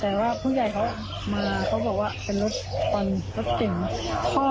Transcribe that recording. แต่ว่าผู้ใหญ่เขามาเขาบอกว่าเป็นรถเก่ง